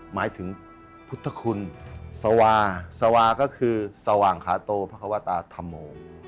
หมายถึงพุทธคุณสวาสวาก็คือสว่างขาโตพระควตาธรรมโม